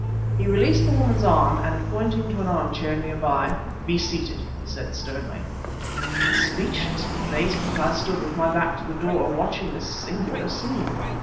He released the woman's arm, and pointing to an arm chair near by "Be seated," he said sternly. Speechless with amazement, I stood, with my back to the door, watching this singular scene.